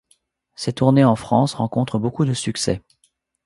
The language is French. Ses tournées en France rencontrent beaucoup de succès.